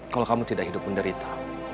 kalau kamu tidak hidup menderita